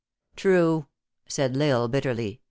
"True," said L Isle, bitterly.